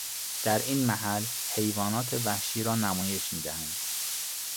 دراینمحل حیوانات وحشی رانمایش میدهند